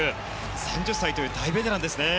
３０歳という大ベテランですね。